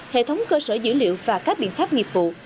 hệ thống cơ sở dữ liệu và các biện pháp nghiệp vụ